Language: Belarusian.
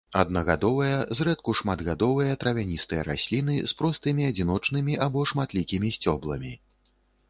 Аднагадовыя, зрэдку шматгадовыя травяністыя расліны з простымі адзіночнымі або шматлікімі сцёбламі.